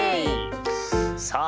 さあ